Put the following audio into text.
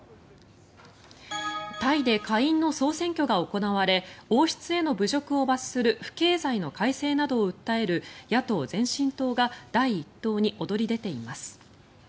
タイで下院の総選挙が行われ王室への侮辱を罰する不敬罪の改正などを訴える野党・前進党が第１党に躍り出ています。